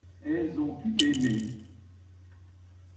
elles ont eu aimé.